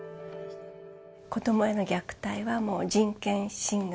子どもへの虐待は、もう人権侵害。